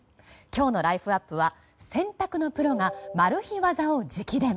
今日のライフあっぷは洗濯のプロがマル秘技を直伝。